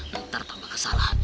ntar tambah kesalahan